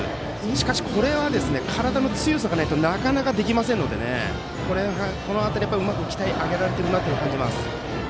しかし、これは体の強さがないとなかなかできませんのでこの辺りは、よく鍛え上げられているなと感じます。